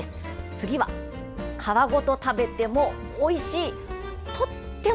次は皮ごと食べてもおいしいとても